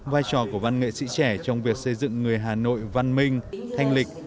vai trò của văn nghệ sĩ trẻ trong việc xây dựng người hà nội văn minh thanh lịch